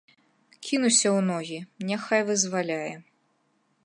Кінуся ў ногі, няхай вызваляе.